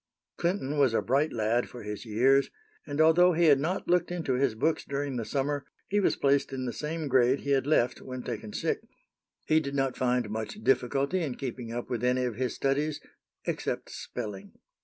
Clinton was a bright lad for his years; and, although he had not looked into his books during the summer, he was placed in the same grade he had left when taken sick. He did not find much difficulty in keeping up with any of his studies except spelling.